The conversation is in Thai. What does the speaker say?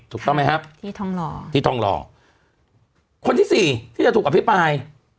ถูกต้องไหมครับที่ทองหล่อที่ทองหล่อคนที่สี่ที่จะถูกอภิปราย